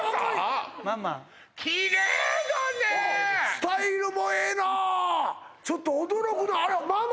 スタイルもええなあちょっと驚くなあれママ？